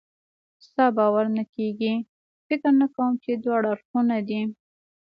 ستا باور نه کېږي؟ فکر نه کوم چې دواړه اړخونه دې.